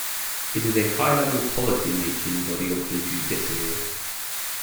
It is a high level policy making body of the judiciary.